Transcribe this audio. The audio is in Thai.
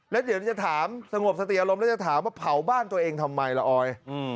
แล้วเดี๋ยวจะถามสงบสติอารมณ์แล้วจะถามว่าเผาบ้านตัวเองทำไมล่ะออย